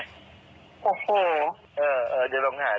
ใช้อยากถูกใช่ไหม